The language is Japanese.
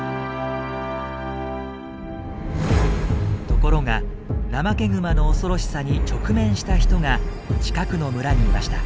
ところがナマケグマの恐ろしさに直面した人が近くの村にいました。